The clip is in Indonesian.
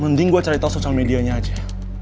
mending gue cari tau social media nya aja